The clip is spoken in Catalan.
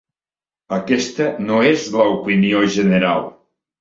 Aquesta no és l'opinió general.